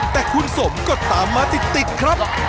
แต่คุณสมก็ตามมาติดครับ